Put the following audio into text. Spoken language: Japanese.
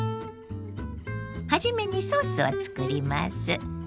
初めにソースを作ります。